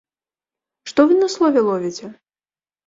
Што вы на слове ловіце?!